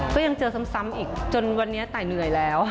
ก็ยังเจอซ้ำอีกจนวันนี้ตายเหนื่อยแล้ว